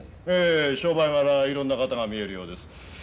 ええ商売がらいろんな方が見えるようです。